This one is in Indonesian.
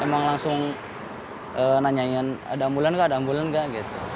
emang langsung nanyain ada ambulan gak ada ambulan nggak gitu